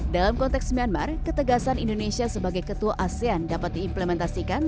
dalam konteks myanmar ketegasan indonesia sebagai ketua asean dapat diimplementasikan